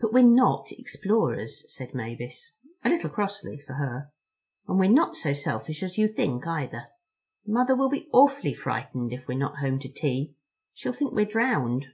"But we're not explorers," said Mavis, a little crossly, for her; "and we're not so selfish as you think, either. Mother will be awfully frightened if we're not home to tea. She'll think we're drowned."